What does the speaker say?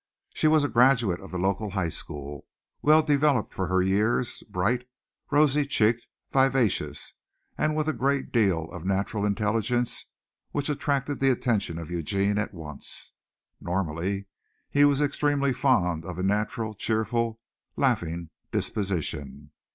She was a graduate of the local high school, well developed for her years, bright, rosy cheeked, vivacious and with a great deal of natural intelligence which attracted the attention of Eugene at once. Normally he was extremely fond of a natural, cheerful, laughing disposition.